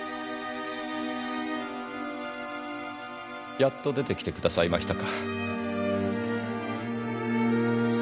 やっと出てきてくださいましたか。